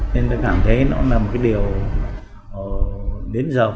nên tôi cảm thấy nó là một cái điều đến giờ